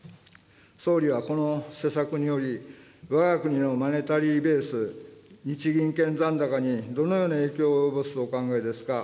総理はこの施策により、わが国のマネタリーベース、日銀券残高にどのように及ぼすとお考えですか。